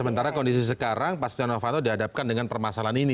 sementara kondisi sekarang pak stiano fanto dihadapkan dengan permasalahan ini